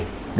đúng không ạ